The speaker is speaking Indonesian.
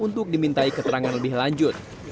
untuk dimintai keterangan lebih lanjut